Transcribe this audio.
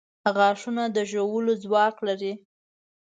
• غاښونه د ژولو ځواک لري.